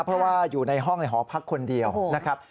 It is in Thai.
เพราะว่าอยู่ในห้องในหอพักคนเดียวนะครับ